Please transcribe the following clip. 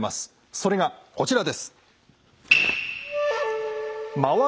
それがこちらです。